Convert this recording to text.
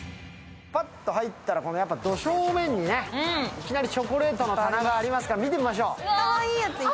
パッと入ったら、このド正面にいきなりチョコレートの棚がありますから見てみましょう。